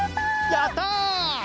やった！